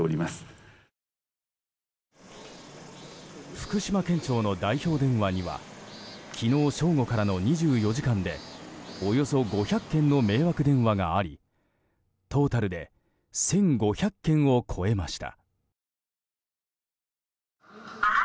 福島県庁の代表電話には昨日正午からの２４時間でおよそ５００件の迷惑電話がありトータルで１５００件を超えました。